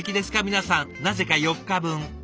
皆さんなぜか４日分。